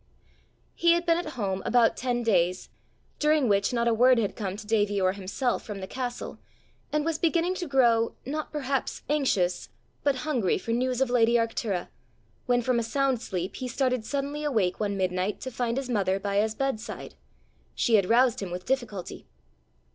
He had been at home about ten days, during which not a word had come to Davie or himself from the castle, and was beginning to grow, not perhaps anxious, but hungry for news of lady Arctura, when from a sound sleep he started suddenly awake one midnight to find his mother by his bedside: she had roused him with difficulty.